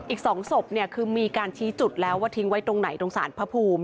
อีก๒ศพเนี่ยคือมีการชี้จุดแล้วว่าทิ้งไว้ตรงไหนตรงสารพระภูมิ